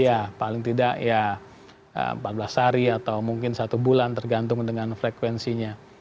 iya paling tidak ya empat belas hari atau mungkin satu bulan tergantung dengan frekuensinya